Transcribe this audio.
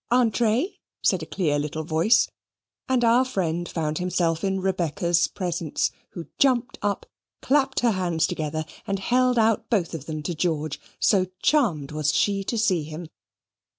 "Entrez," said a clear little voice, and our friend found himself in Rebecca's presence; who jumped up, clapped her hands together, and held out both of them to George, so charmed was she to see him.